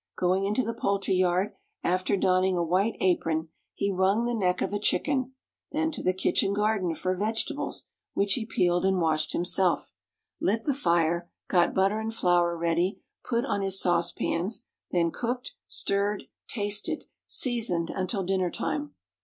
Going into the poultry yard, after donning a white apron, he wrung the neck of a chicken; then to the kitchen garden for vegetables, which he peeled and washed himself; lit the fire, got butter and flour ready, put on his saucepans, then cooked, stirred, tasted, seasoned until dinner time.